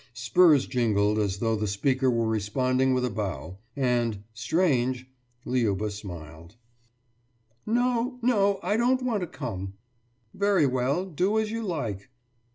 Spurs jingled as though the speaker were responding with a bow. And strange! Liuba smiled. »No. No! I don't want to come Very well, do as you like.